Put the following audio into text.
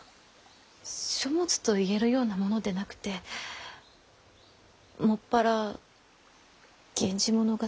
書物といえるようなものでなくて専ら「源氏物語」。